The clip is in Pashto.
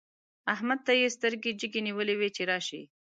احمد ته يې سترګې جګې نيولې وې چې راشي.